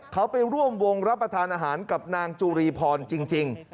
เขาไปร่วมวงรับประทานอาหารกับนางจุรีพรจริง